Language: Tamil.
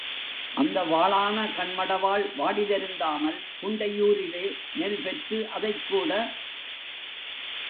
அந்த வாளான கண் மடவாள் வாடி வருந்தாமல் குண்டையூரிலே நெல் பெற்று அதைக் கூட.